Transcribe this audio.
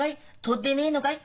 盗ってねえのかい？